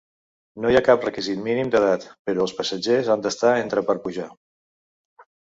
No hi ha cap requisit mínim d'edat, però els passatgers han d'estar entre per pujar.